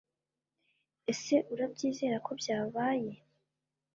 ese urabyizera ko byabaye?